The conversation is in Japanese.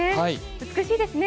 美しいですよね。